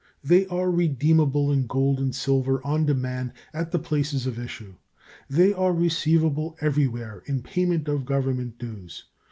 They are redeemable in gold and silver on demand at the places of issue. They are receivable everywhere in payment of Government dues.